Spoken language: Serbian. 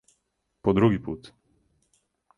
По други пут.